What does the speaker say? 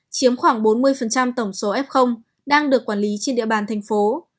chiếm khoảng bốn mươi tổng số f đang được quản lý trên địa bàn thành phố